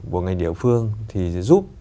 của ngành địa phương thì giúp